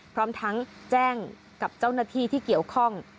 พร้อมทั้งแจ้งกับเจ้าหน้าที่ที่เกี่ยวข้อง